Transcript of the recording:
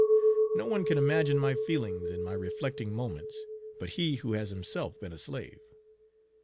No one can imagine my feelings in my reflecting moments, but he who has himself been a slave.